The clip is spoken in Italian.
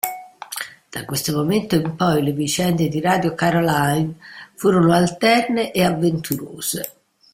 Da questo momento in poi le vicende di Radio Caroline furono alterne ed avventurose.